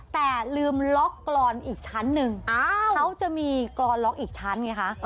แต่ลืมล็อกกรอนอีกชั้นหนึ่งเขาจะมีกรอนล็อกอีกชั้นไงคะ